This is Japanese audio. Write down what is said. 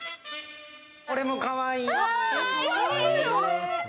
これもかわいい。